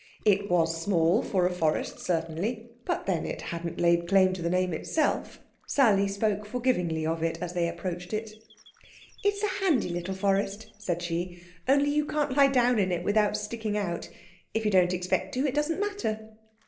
It was small, for a forest, certainly; but, then, it hadn't laid claim to the name itself. Sally spoke forgivingly of it as they approached it. "It's a handy little forest," said she; "only you can't lie down in it without sticking out. If you don't expect to, it doesn't matter."